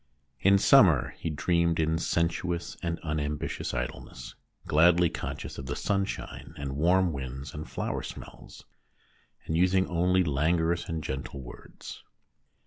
In summer he dreamed in sensuous and unambitious idleness, gladly conscious of the sunshine and warm winds and flower smells, and using only languorous and gentle words.